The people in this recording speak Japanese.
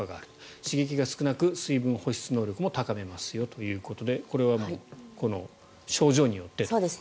刺激が少なく水分保湿能力も高めますよということでこれは症状によって。